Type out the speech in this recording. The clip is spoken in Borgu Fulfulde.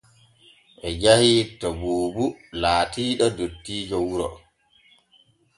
Ɓe jahii to Buubu laatiiɗo dottiijo wuro.